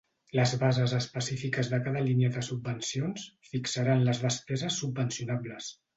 Les bases específiques de cada línia de subvencions fixaran les despeses subvencionables.